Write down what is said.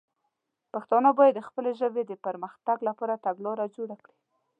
پښتانه باید د خپلې ژبې د پر مختګ لپاره تګلاره جوړه کړي.